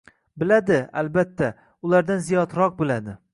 Biladi, albatta, ulardan ziyodroq biladi.